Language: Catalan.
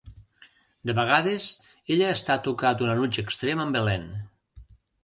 De vegades ella està a tocar d'un enuig extrem amb Helene.